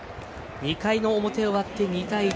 ２回の表終わって２対１。